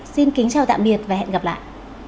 xin kính chào tạm biệt và hẹn gặp lại